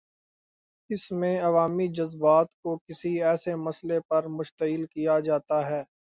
اس میں عوامی جذبات کو کسی ایسے مسئلے پر مشتعل کیا جاتا ہے۔